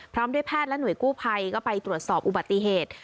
พร้อมด้วยแพทย์และหน่วยกู้ภัยก็ไปตรวจสอบอุบัติเหตุ